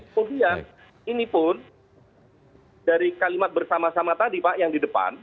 kemudian ini pun dari kalimat bersama sama tadi pak yang di depan